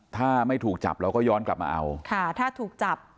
ถ้าไม่ถูกจับเราก็ย้อนกลับมาเอาค่ะถ้าถูกจับ